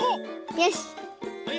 よし！